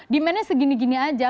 demandnya segini gini aja